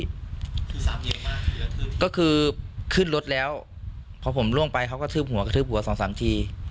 คือก็คือขึ้นรถแล้วพอผมล่วงไปเขาก็ทืบหัวกระทืบหัวสองสามที